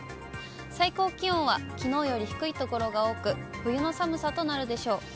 最高気温はきのうより低い所が多く、冬の寒さとなるでしょう。